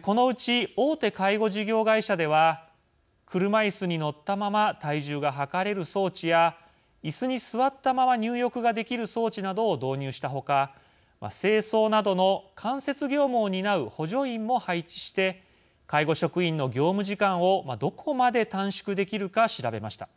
このうち大手介護事業会社では車いすに乗ったまま体重が量れる装置やいすに座ったまま入浴ができる装置などを導入したほか清掃などの間接業務を担う補助員も配置して介護職員の業務時間をどこまで短縮できるか調べました。